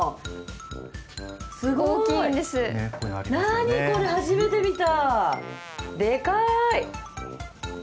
何これ、初めて見た。